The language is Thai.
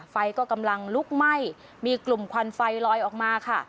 ไฟก็กำลังลุกไหม้มีกลุ่มควันไฟลอยออกมาค่ะ